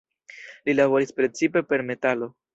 Li laboris precipe per metalo.